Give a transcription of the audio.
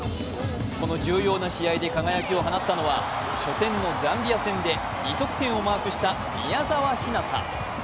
この重要な試合で輝きを放ったのは初戦のザンビア戦で２得点をマークした宮澤ひなた。